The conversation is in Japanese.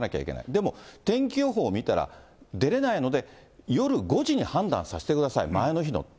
でも天気予報を見たら、出れないので夜５時に判断させてください、前の日の。